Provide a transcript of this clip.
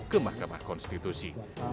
ke mahkamah konstitusi